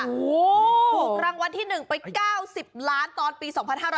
ถูกรางวัลที่๑ไป๙๐ล้านตอนปี๒๕๕๙